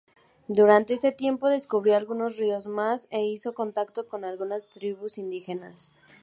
Durante este tiempo descubrió algunos ríos más, e hizo contacto con algunas tribus indígenas.